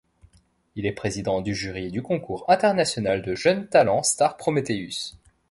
Il est président du jury du concours international de jeunes talents Star Prometheus.